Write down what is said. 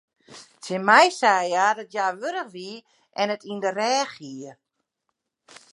Tsjin my sei hja dat hja wurch wie en it yn de rêch hie.